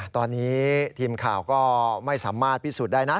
ตอนนี้ทีมข่าวก็ไม่สามารถพิสูจน์ได้นะ